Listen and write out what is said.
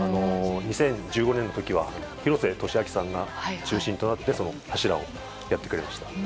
２０１５年の時は廣瀬俊朗さんが中心となってその柱をやってくれました。